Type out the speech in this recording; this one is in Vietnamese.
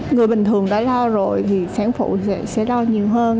người bình thường đã đau rồi thì sáng phụ sẽ đau nhiều hơn